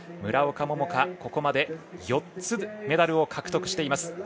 村岡桃佳、ここまで４つメダルを獲得しています。